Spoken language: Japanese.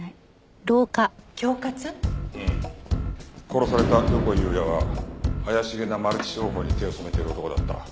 殺された横井友哉は怪しげなマルチ商法に手を染めている男だった。